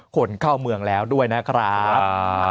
คนเข้าเมืองแล้วด้วยนะครับ